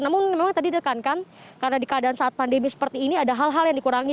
namun memang tadi direkankan karena di keadaan saat pandemi seperti ini ada hal hal yang dikurangi